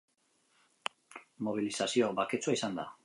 Mobilizazio baketsua izan da.